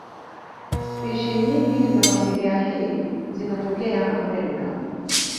Spishi nyingine za familia hii zinatokea Amerika.